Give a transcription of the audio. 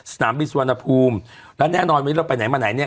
สนามบินสุวรรณภูมิแล้วแน่นอนวันนี้เราไปไหนมาไหนเนี่ย